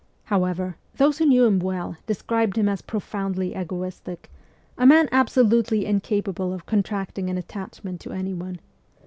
How ever, those who knew him well described him as pro foundly egoistic, a man absolutely incapable of contract ing an attachment to anyone.